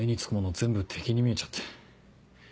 全部敵に見えちゃって。